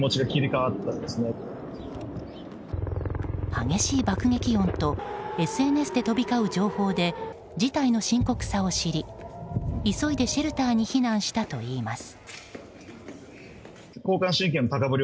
激しい爆撃音とＳＮＳで飛び交う情報で事態の深刻さを知り、急いでシェルターに避難したといいます。